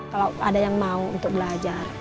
kalau ada yang mau untuk belajar